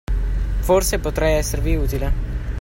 Forse, potrei esservi utile.